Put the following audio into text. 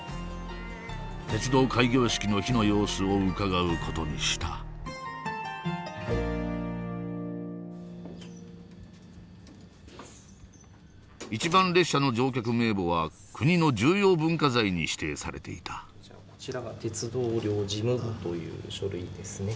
鉄道開業式の日の様子を伺う事にした一番列車の乗客名簿は国の重要文化財に指定されていたこちらが「鉄道寮事務簿」という書類ですね。